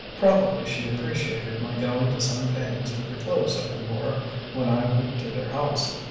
Probably she appreciated my going to some pains with the clothes I wore when I went to their house.